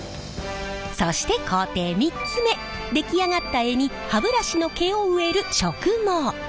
そして工程３つ目出来上がった柄に歯ブラシの毛を植える植毛。